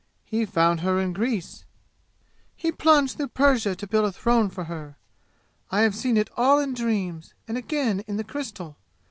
He found her in Greece. He plunged through Persia to build a throne for her! I have seen it all in dreams, and again in the crystal!